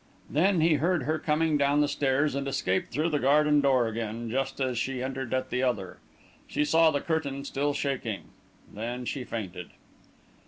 Then he heard her coming down the stairs, and escaped through the garden door again just as she entered at the other. She saw the curtain still shaking. Then she fainted.